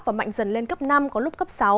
và mạnh dần lên cấp năm có lúc cấp sáu